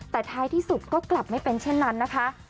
แต่ท้ายที่สุดก็กลับไม่เป็นเช่นนั้นนะคะ